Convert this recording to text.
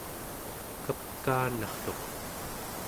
kapkaanartuq